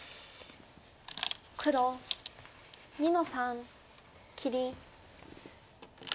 黒２の三切り。